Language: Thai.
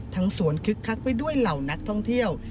สวนคึกคักไปด้วยเหล่านักท่องเที่ยว